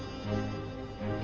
え？